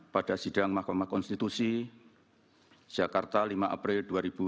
pada sidang mahkamah konstitusi jakarta lima april dua ribu dua puluh